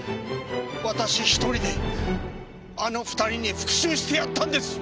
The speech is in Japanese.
私一人であの２人に復讐してやったんです。